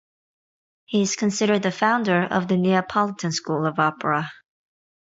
He is considered the founder of the Neapolitan school of opera.